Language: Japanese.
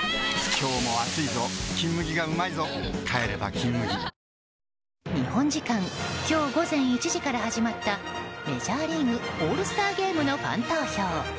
今日も暑いぞ「金麦」がうまいぞ帰れば「金麦」日本時間今日午前１時から始まったメジャーリーグオールスターゲームのファン投票。